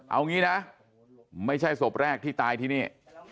เอางี้นะไม่ใช่ศพแรกที่ตายที่นี่